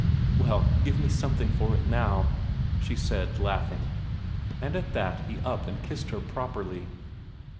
"Well, give me something for it, now," she said, laughing. And at that he up and kissed her properly.